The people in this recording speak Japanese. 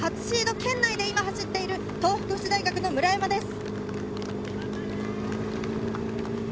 初シードを狙う、初シード圏内で今、走っている東北福祉大学の村山です。